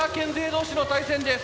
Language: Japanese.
同士の対戦です。